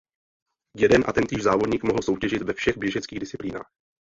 Jeden a tentýž závodník mohl soutěžit ve všech běžeckých disciplínách.